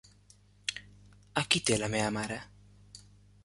Aquí té la meva mare.